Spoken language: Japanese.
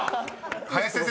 ［林先生